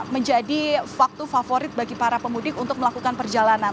menjadi faktor favorit bagi para pemudik untuk melakukan perjalanan